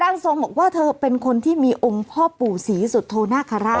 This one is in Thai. ทรงบอกว่าเธอเป็นคนที่มีองค์พ่อปู่ศรีสุโธนาคาราช